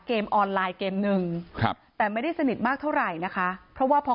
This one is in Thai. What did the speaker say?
เพราะไม่มีเงินไปกินหรูอยู่สบายแบบสร้างภาพ